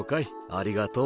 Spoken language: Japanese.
ありがとう。